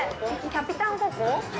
キャピタン・ココ？